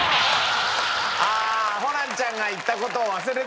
ああホランちゃんが言った事を忘れてたんだ。